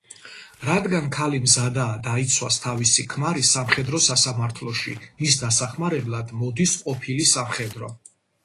რადგან ქალი მზადაა დაიცვას თავისი ქმარი სამხედრო სასამართლოში, მის დასახმარებლად მოდის ყოფილი სამხედრო.